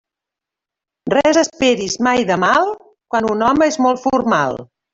Res esperis mai de mal, quan un home és molt formal.